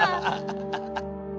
ハハハハ。